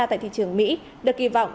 tại thị trường mỹ được kỳ vọng